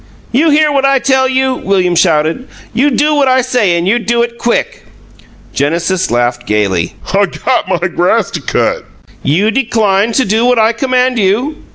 "You hear what I tell you?" William shouted. "You do what I say and you do it quick!" Genesis laughed gaily. "I got my grass to cut!" "You decline to do what I command you?"